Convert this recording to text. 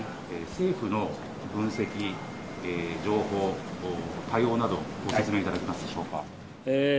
政府の分析、情報、対応などご説明いただけますか。